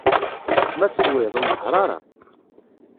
Ma teswiḍ, ur nehheṛ ara!